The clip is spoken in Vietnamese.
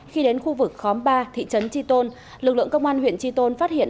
khi đến khu vực khóm ba thị trấn tri tôn lực lượng công an huyện tri tôn phát hiện